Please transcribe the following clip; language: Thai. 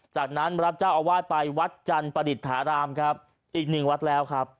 จากนั้นรับเจ้าอาวาสไปวัดจันทร์ประดิษฐารามครับอีกหนึ่งวัดแล้วครับ